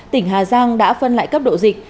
tỉnh hà giang đã phân lại cấp độ dịch